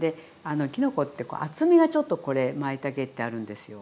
きのこって厚みがちょっとこれまいたけってあるんですよ。